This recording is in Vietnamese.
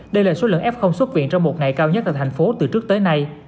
đây là số lượng f xuất viện trong một ngày cao nhất tại tp hcm từ trước tới nay